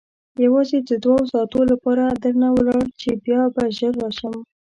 یوازې د دوو ساعتو لپاره درنه ولاړم چې بیا به ژر راشم.